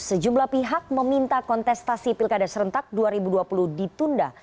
sejumlah pihak meminta kontestasi pilkada serentak dua ribu dua puluh ditunda